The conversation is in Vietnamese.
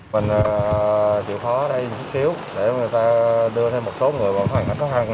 mình chịu khó ở đây một chút xíu để người ta đưa thêm một số người vào khoảng cách có hàng nữa